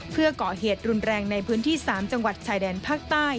เพื่อก่อเหตุรุนแรงในพื้นที่๓จังหวัดชายแดนภาคใต้